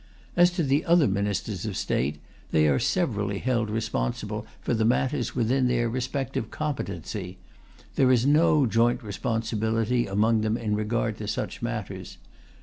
As to the other Ministers of State, they are severally held responsible for the matters within their respective competency; there is no joint responsibility among them in regard to such matters.